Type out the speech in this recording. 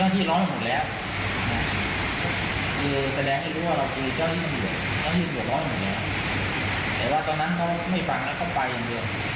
แต่ว่าตอนนั้นเขาไม่ฟังแล้วเขาไปอย่างเดียว